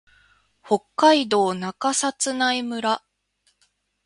北海道中札内村